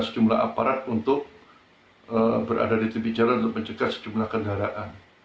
jangan berharap berada di jalan untuk menjaga sejumlah kendaraan